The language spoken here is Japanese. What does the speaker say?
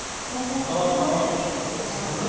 言われてみるとと思いました。